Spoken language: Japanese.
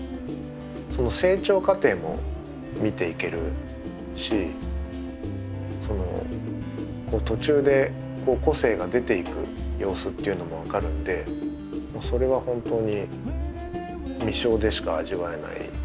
その成長過程も見ていけるし途中で個性が出ていく様子っていうのも分かるんでそれは本当に実生でしか味わえない楽しさだと思ってます。